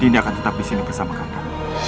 dinda akan tetap disini bersama kak kanda